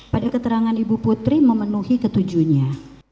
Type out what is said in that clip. pada keterangan ibu putri memenuhi ketujuhnya